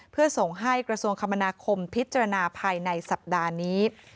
เพื่อส่งให้กระทรวงคมนาคมพิจารณาภายในสัปดาห์นี้